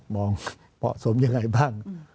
เหมาะสมยังไงบ้าง